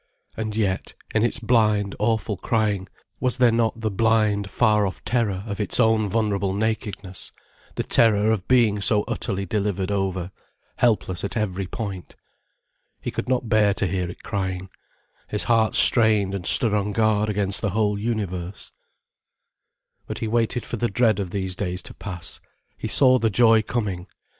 And yet, in its blind, awful crying, was there not the blind, far off terror of its own vulnerable nakedness, the terror of being so utterly delivered over, helpless at every point. He could not bear to hear it crying. His heart strained and stood on guard against the whole universe. But he waited for the dread of these days to pass; he saw the joy coming.